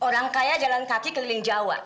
orang kaya jalan kaki keliling jawa